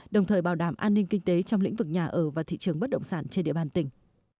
đồng thời bảo đảm an ninh kinh tế trong lĩnh vực nhà ở và thị trường bất động sản trên địa bàn tỉnh